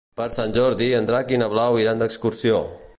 Per Sant Jordi en Drac i na Blau iran d'excursió.